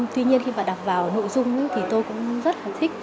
tuy nhiên khi mà đọc vào nội dung thì tôi cũng rất là thích